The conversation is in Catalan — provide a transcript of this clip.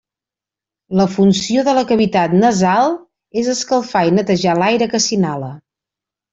La funció de la cavitat nasal, és escalfar i netejar l'aire que s'inhala.